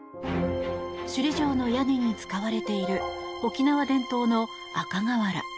首里城の屋根に使われている沖縄伝統の赤瓦。